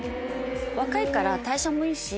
若いから代謝もいいし。